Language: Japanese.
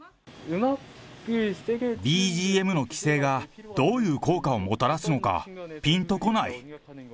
ＢＧＭの規制がどういう効果をもたらすのか、ぴんと来ない。